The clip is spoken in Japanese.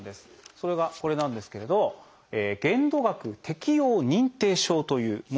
それがこれなんですけれど「限度額適用認定証」というものがあります。